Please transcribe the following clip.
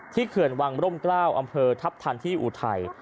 เขื่อนวังร่มกล้าวอำเภอทัพทันที่อุทัย